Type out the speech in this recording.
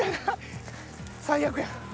最悪や。